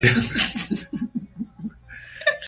په للمي ځمکو کې باران ته ډیر انتظار کیږي.